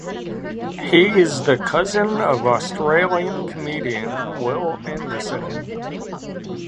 He is the cousin of Australian comedian Wil Anderson.